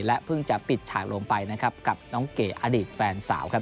เพิ่งจะปิดฉากลงไปนะครับกับน้องเก๋อดีตแฟนสาวครับ